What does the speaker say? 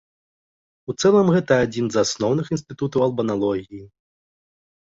У цэлым гэта адзін з асноўных інстытутаў албаналогіі.